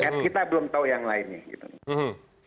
kita belum tahu yang lainnya